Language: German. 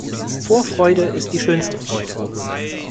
Vorfreude ist die schönste Freude.